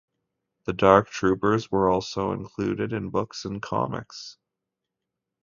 The Dark Troopers were also included in books and comics.